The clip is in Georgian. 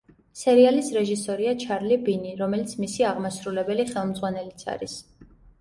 სერიალის რეჟისორია ჩარლი ბინი, რომელიც მისი აღმასრულებელი ხელმძღვანელიც არის.